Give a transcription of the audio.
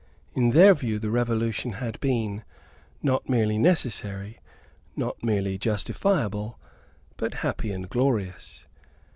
In their view the Revolution had been, not merely necessary, not merely justifiable, but happy and glorious.